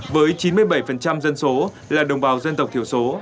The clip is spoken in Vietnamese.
với chín mươi bảy dân số là đồng bào dân tộc thiểu số